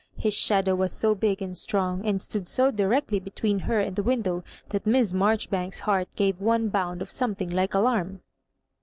His shadow was so big and strong; and stood so directly between her and the win dow, that Miss Marjoribanka^s heart gave ono bound of something like alarm.